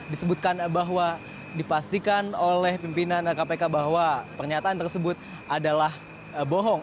disebutkan bahwa dipastikan oleh pimpinan kpk bahwa pernyataan tersebut adalah bohong